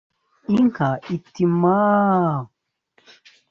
inka iti “maaaa”